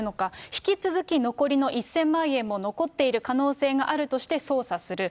引き続き残りの１０００万円も残っている可能性があるとして捜査する。